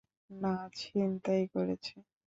না, ছিনতাই করেছে।